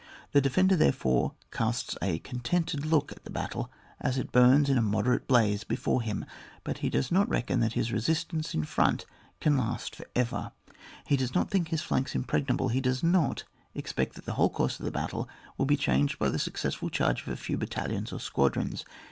The defender therefore casts a contented look at the battle as it bums in a moderate blaze before him; — ^but he does not reckon that his resistance in front can last for ever; — ^he does not think his flanks impregnable; — he does not ex pect that the whold course of the battle win be changed by the successful charge of a few battalions or squadrons.